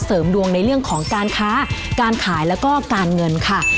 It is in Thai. เสริมดวงในเรื่องของการค้าการขายแล้วก็การเงินค่ะ